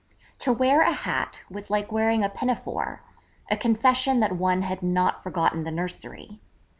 To wear a hat was like wearing a pinafore a confession that one had not forgotten the nursery.